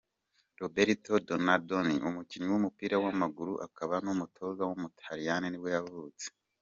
Roberto Donadoni, umukinnyi w’umupira w’amaguru akaba n’umutoza w’umutaliyani nibwo yavurtse.